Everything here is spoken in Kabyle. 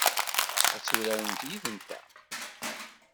Ad turaremt yid-nteɣ?